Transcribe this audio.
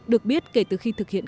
được biết kể từ khi thực hiện